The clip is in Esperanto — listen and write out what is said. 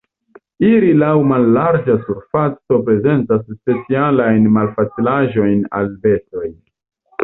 Iri laŭ mallarĝa surfaco prezentas specialajn malfacilaĵojn al bestoj.